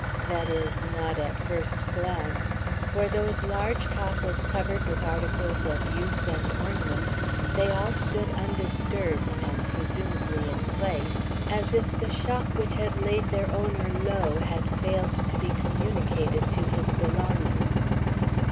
That is, not at first glance; for though its large top was covered with articles of use and ornament, they all stood undisturbed and presumably in place, as if the shock which had laid their owner low had failed to be communicated to his belongings.